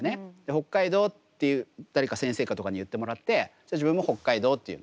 北海道って誰か先生とかに言ってもらって自分も北海道って言うのね。